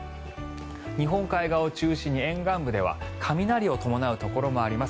日本海側を中心に沿岸部では雷を伴うところがあります。